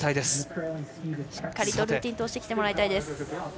しっかりとルーティン通してきてもらいたいです。